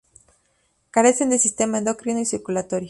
Carecen de sistema endocrino y circulatorio.